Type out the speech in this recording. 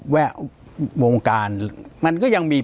ปากกับภาคภูมิ